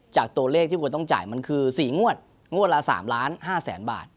จากตัวเลขที่ควรต้องจ่ายมันคือ๔งวดงวดละ๓ล้าน๕แสนบาท